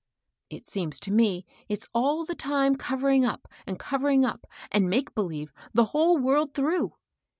It seems to me it's all the time covering 82 MABEL ROSS. up, and covering up, and make believe, the whole worid through."